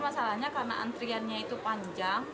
masalahnya karena antriannya panjang